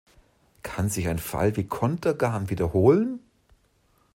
Kann sich ein Fall wie Contergan wiederholen?